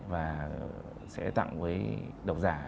và sẽ tặng với độc giả